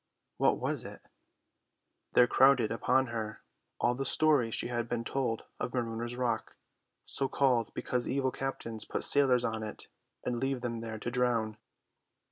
What was it? There crowded upon her all the stories she had been told of Marooners' Rock, so called because evil captains put sailors on it and leave them there to drown.